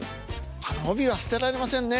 あの帯は捨てられませんね。